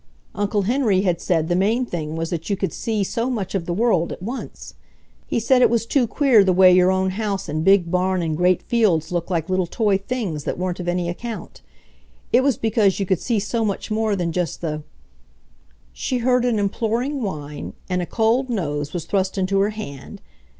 Uncle Henry had said the main thing was that you could see so much of the world at once. He said it was too queer the way your own house and big barn and great fields looked like little toy things that weren't of any account. It was because you could see so much more than just the.... She heard an imploring whine, and a cold nose was thrust into her hand!